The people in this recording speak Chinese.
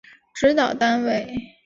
指导单位